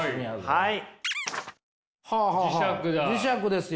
はい。